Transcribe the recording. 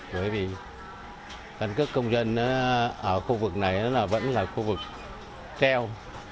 bởi vì tân cước công dân ở khu vực này nó vẫn là khu vực treo